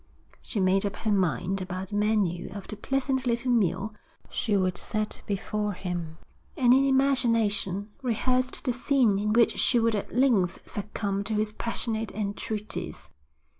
She made up her mind about the menu of the pleasant little meal she would set before him, and in imagination rehearsed the scene in which she would at length succumb to his passionate entreaties.